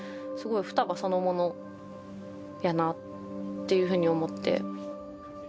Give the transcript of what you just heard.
すごい双葉そのものやなっていうふうに思って。